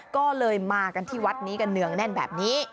ก็เลยมากันที่วัดนี้กันเนืองแน่นแบบนี้